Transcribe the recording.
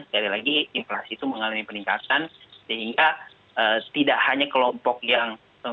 sekali lagi inflasi itu mengalami peningkatan sehingga tidak hanya kelompok yang